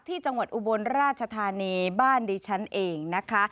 ที่จังหวัดอุบันราชธาเนทบ้านในชั้นเองนะคะ